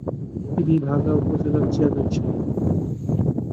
তিনি ভাঙ্গা উপজেলার চেয়ারম্যান ছিলেন।